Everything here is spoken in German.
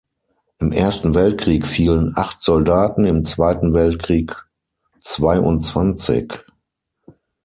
Im Ersten Weltkrieg fielen acht Soldaten, im Zweiten Weltkrieg zweiundzwanzig.